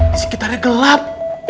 di sekitarnya gelap